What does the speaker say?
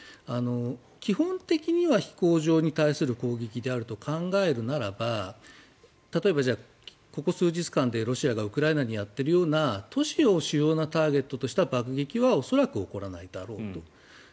基本的には飛行場に対する攻撃と考えるならば例えば、ここ数日間でロシアがウクライナにやっているような都市を主要なターゲットとした爆撃は恐らく起こらないだろうと。